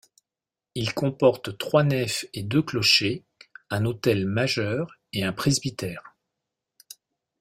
Il comporte trois nefs et deux clochers, un autel majeur et un presbytère.